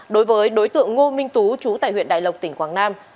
đối với đối tượng ngô minh tú chú tại huyện đại lộc tỉnh quảng nam